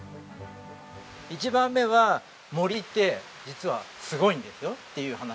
１番目は森って実はすごいんですよっていう話。